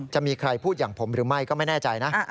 จะมีใครพูดอย่างผมหรือไม่ก็ไม่แน่ใจนะ